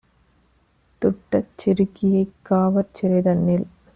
துட்டச் சிறுக்கியைக் காவற்சிறை - தன்னில்